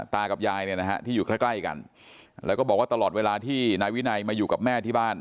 ตากับยายเนี่ยนะฮะที่อยู่ใกล้ใกล้กันแล้วก็บอกว่าตลอดเวลาที่นายวินัยมาอยู่กับแม่ที่บ้าน